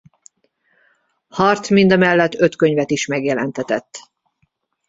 Hart mindemellett öt könyvet is megjelentetett.